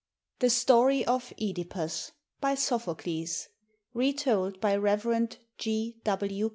THE STORY OF (EDIPUS BY SOPHOCLES: RETOLD BY REV. G. W.